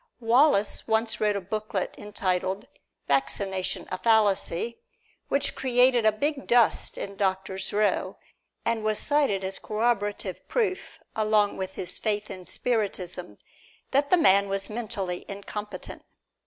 Wallace once wrote a booklet entitled, "Vaccination a Fallacy," which created a big dust in Doctors' Row, and was cited as corroborative proof, along with his faith in Spiritism, that the man was mentally incompetent.